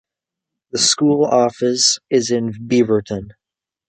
The school office is in Beaverton.